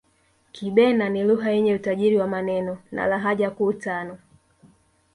Kibena ni Lugha yenye utajiri wa maneno na lahaja kuu tano